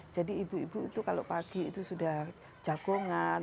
jadi ibu ibu itu kalau pagi itu sudah jagungan